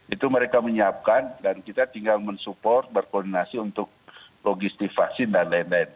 itu mereka menyiapkan dan kita tinggal mensupport berkoordinasi untuk logistik vaksin dan lain lain